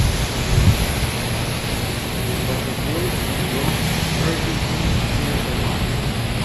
But the voice of Groma urges him to play the lyre.